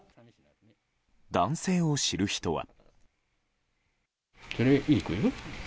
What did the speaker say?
男性を知る人は。